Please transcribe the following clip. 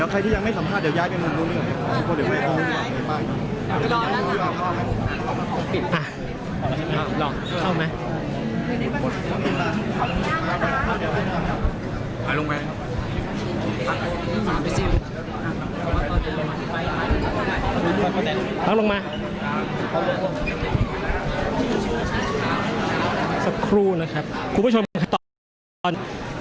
เกิดขึ้นไปด้วยว่ามันเหมือนบ้านก็เรามองว่าจะเป็นด้วย